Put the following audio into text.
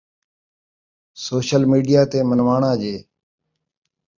social media تے مݨواݨا جے